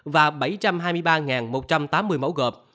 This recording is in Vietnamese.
và bảy trăm hai mươi ba một trăm tám mươi mẫu gợp